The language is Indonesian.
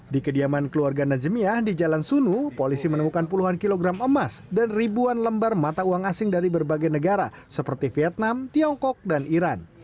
di kediaman keluarga najemiah di jalan sunu polisi menemukan puluhan kilogram emas dan ribuan lembar mata uang asing dari berbagai negara seperti vietnam tiongkok dan iran